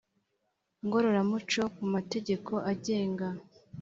Ngororamuco ku mategeko agenga